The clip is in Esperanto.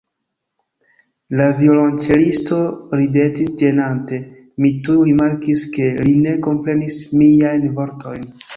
La violonĉelisto ridetis ĝenate; mi tuj rimarkis, ke li ne komprenis miajn vortojn.